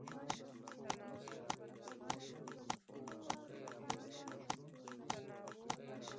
د افغانستان د شاته پاتې والي یو ستر عامل د سړکونو خرابي دی.